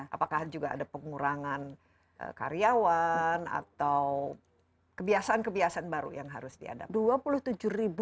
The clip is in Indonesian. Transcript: apakah juga ada pengurangan karyawan atau kebiasaan kebiasaan baru yang harus dihadapi